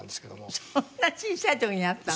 そんな小さい時に会ったの？